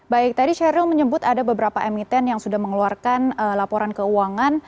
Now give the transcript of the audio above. baik tadi sheryl menyebut ada beberapa emiten yang sudah mengeluarkan laporan keuangan